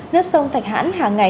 nứt sông thạch hãn hàng ngày